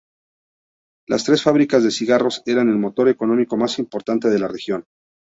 Las tres fábricas de cigarros eran el motor económico más importante de la región.